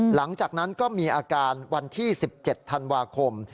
หลังจากนั้นก็มีอาการวันที่๑๗ธันวาคม